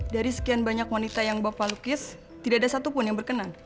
dari sekian banyak wanita yang bapak lukis tidak ada satupun yang berkenan